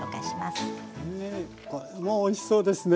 もうおいしそうですね。